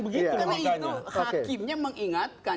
karena itu hakimnya mengingatkan